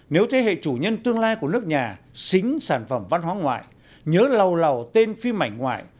nếu thế hệ chủ nhân tương lai của nước nhà xính sản phẩm văn hóa ngoại nhớ lầu lầu tên phi mảnh ngoại